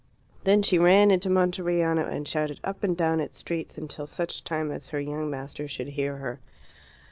Then she ran into Monteriano and shouted up and down its streets until such time as her young master should hear her.